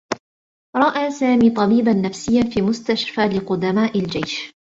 رأى سامي طبيبا نفسيّا في مستشفى لقداماء الجيش.